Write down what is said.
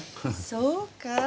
そうか？